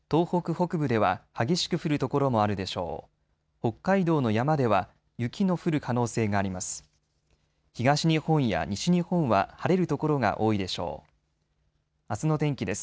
北海道の山では雪の降る可能性があります。